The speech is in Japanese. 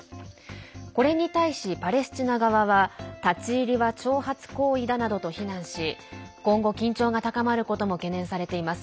これに対し、パレスチナ側は立ち入りは挑発行為だなどと非難し今後、緊張が高まることも懸念されています。